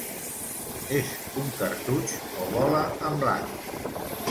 És un cartutx o bola en blanc?